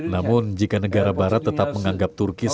namun jika negara barat tetap menanggapi tugis